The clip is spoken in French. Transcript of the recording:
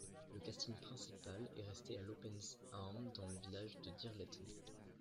Le casting principal est resté à l’Open Arms dans le village de Dirleton.